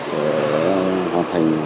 để hoàn thành